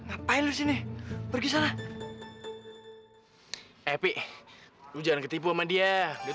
aku gak punya siapa siapa